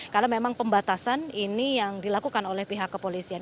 karena memang pembatasan ini yang dilakukan oleh pihak kepolisian